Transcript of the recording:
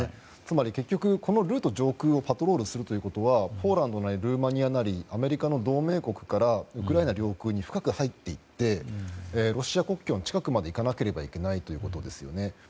つまり結局ルート上空をパトロールするということはポーランドなりルーマニアなりアメリカの同盟国からウクライナ領空へ深く入って行ってロシア国境の近くまで行かないといけないということですよね。